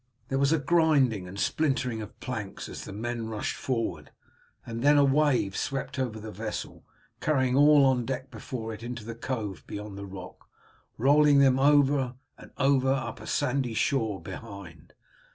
There was a grinding and splintering of planks, as the men rushed forward, and then a wave swept over the vessel, carrying all on deck before it into the cove beyond the rock, rolling them over and over up a sandy shore behind.